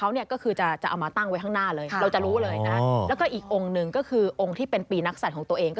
แต่คืออาจถามต้องจ้าหน้าที่วัด